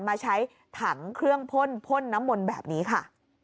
มาใช้ถังเครื่องพ่นพ่นน้ำมนต์แบบนี้ค่ะ